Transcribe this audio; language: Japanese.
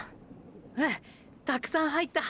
うんたくさん入った。